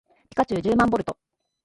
ピカチュウじゅうまんボルト